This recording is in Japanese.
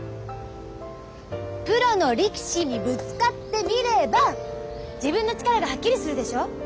プロの力士にぶつかってみれば自分の力がはっきりするでしょ。